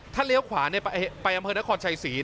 ท่านเลี้ยวขวาเน่ยไปไปอ้ำเฮธนครชายศรีร์